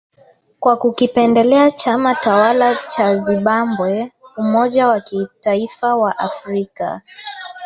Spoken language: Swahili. Kwa kukipendelea chama tawala cha Zimbabwe Umoja wa Kitaifa wa Afrika.